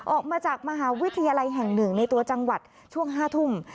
ออกมาจากมหาวิทยาลัยแห่งหนึ่งในตัวจังหวัดช่วง๕ทุ่ม